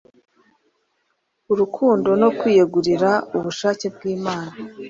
urukundo no kwiyegurira ubushake bw’imana